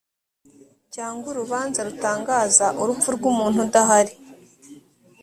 cyangwa urubanza rutangaza urupfu rw’umuntu udahari‽